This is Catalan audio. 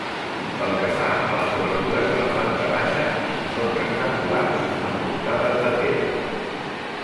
Pel que fa a les obertures de la planta baixa, són rectangulars envoltades de pedra.